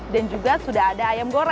dan juga sudah ada ayam kukus